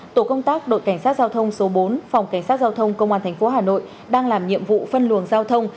tổ công tác đội cảnh sát giao thông số bốn phòng cảnh sát giao thông công an tp hà nội đang làm nhiệm vụ phân luồng giao thông